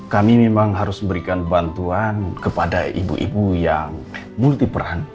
kami memang harus memberikan bantuan kepada ibu ibu yang multiperan